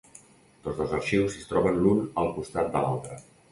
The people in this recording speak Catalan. Tots dos arxius es troben l'un al costat de l'altre.